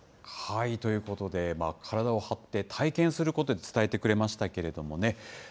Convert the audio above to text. ということで、体を張って体験することで、伝えてくれましたけれどもね。